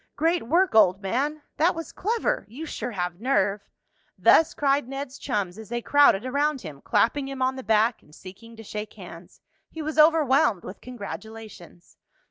"Great work, old man!" "That was clever!" "You sure have nerve!" Thus cried Ned's chums as they crowded around him, clapping him on the back and seeking to shake hands. He was overwhelmed with congratulations.